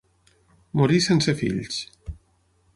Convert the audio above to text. Morí sense fills.